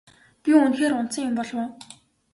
Би үнэхээр унтсан юм болов уу?